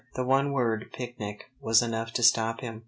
The one word, picnic, was enough to stop him.